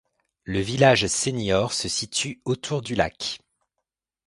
Le village senior se situe autour du lac.